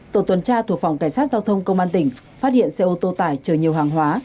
tổ tuần tra thuộc phòng cảnh sát giao thông công an tỉnh phát hiện xe ô tô tải chở nhiều hàng hóa